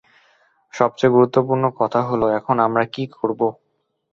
সবচেয়ে গুরুত্বপুর্ণ কথা হলো, এখন আমরা কী করবো?